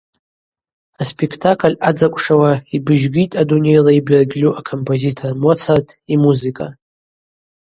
Аспектакль ъадзакӏвшауа йбыжьгитӏ адунейла йбергьльу акомпозитор Моцарт ймузыка.